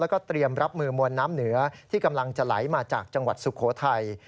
แล้วก็เตรียมรับมือมวลน้ำเหนือที่กำลังจะไหลมาจากจังหวัดสุโขทัย